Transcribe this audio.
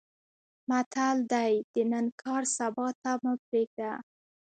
متل دی: د نن کار سبا ته مه پرېږده.